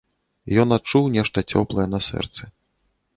Ён адчуў нешта цёплае на сэрцы.